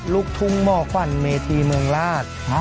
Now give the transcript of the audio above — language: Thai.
ลูกทุ่งหมอขวัญเมธีเมืองราช